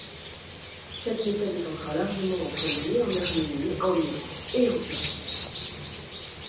Cette méthode est encore largement employée en Arménie, en Iran et en Turquie.